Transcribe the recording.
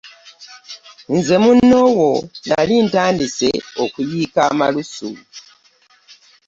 Nze munnoowo nnali ntandise okuyiika amalusu.